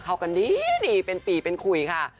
เข้ากันดีเป็นปีเป็นคุยค่ะ